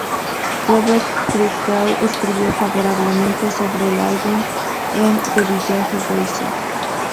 Robert Christgau escribió favorablemente sobre el álbum en The Village Voice.